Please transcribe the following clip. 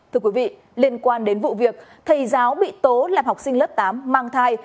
thưa quý vị liên quan đến vụ việc thầy giáo bị tố làm học sinh lớp tám mang thai